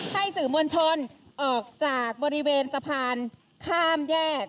ให้สื่อมวลชนออกจากบริเวณสะพานข้ามแยก